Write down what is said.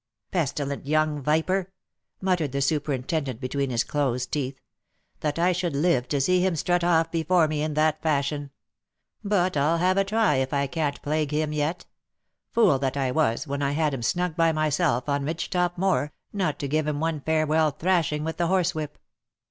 " Pestilent young viper !" muttered the superintendent between his closed teeth. ei That I should live to see him strut off before me in that fashion ! But I Ml have a try if I can't plague him yet. Fool that I was, when I had him snug by myself on Ridgetop Moor, not to give him one farewell thrashing with the horsewhip!